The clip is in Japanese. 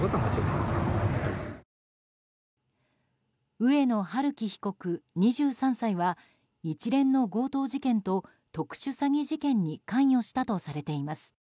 上野晴生被告、２３歳は一連の強盗事件と特殊詐欺事件に関与したとされています。